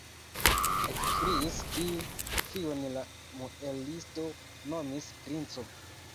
ekkriis tiu, kiun la muelisto nomis princo.